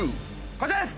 こちらです！